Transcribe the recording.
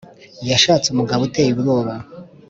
yashatse umugabo uteye ubwoba